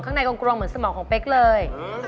ข้างในกรุงเหมือนสมองของเป๊กเลย